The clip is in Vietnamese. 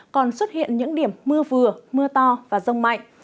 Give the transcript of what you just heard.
còn xuất hiện những điểm mưa vừa mưa to và rông mạnh